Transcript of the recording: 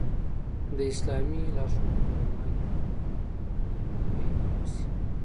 د اسلامي لارښوونو په رڼا کې هغوی حقونو ته درناوی وشي.